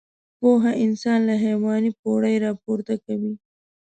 پوهه انسان له حيواني پوړۍ راپورته کوي.